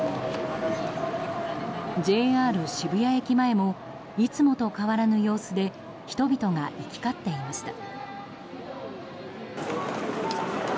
渋谷駅前もいつもと変わらぬ様子で人々が行き交っていました。